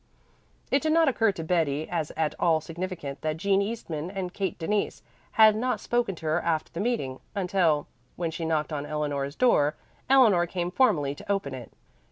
It did not occur to Betty as at all significant that Jean Eastman and Kate Denise had not spoken to her after the meeting, until, when she knocked on Eleanor's door, Eleanor came formally to open it.